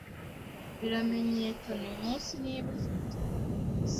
biramenyaka uyu munsi niba afite iyi virus